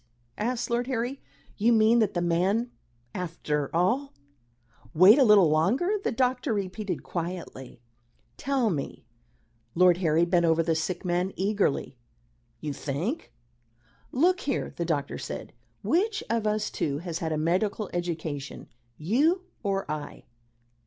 asked Lord Harry. "You mean that the man, after all " "Wait a little longer," the doctor repeated quietly. "Tell me" Lord Harry bent over the sick man eagerly "you think " "Look here," the doctor said. "Which of us two has had a medical education you, or I?"